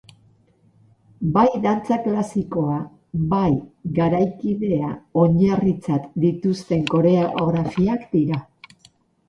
Bai dantza klasikoa bai garaikidea oinarritzat dituzten koreografiak dira.